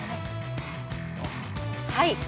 はい。